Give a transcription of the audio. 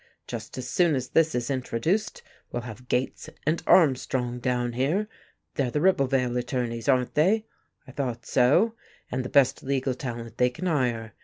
Just as soon as this is introduced we'll have Gates and Armstrong down here they're the Ribblevale attorneys, aren't they? I thought so, and the best legal talent they can hire.